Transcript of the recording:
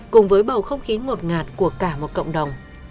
cùng với bầu không khí ngột ngạt của cả một cộng đồng